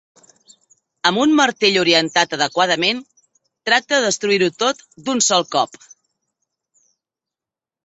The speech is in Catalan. Amb un martell orientat adequadament, tracta de destruir-ho tot d'un sol cop.